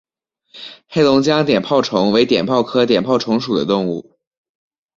黑龙江碘泡虫为碘泡科碘泡虫属的动物。